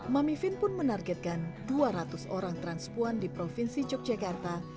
mami vin pun menargetkan dua ratus orang transpuan di provinsi yogyakarta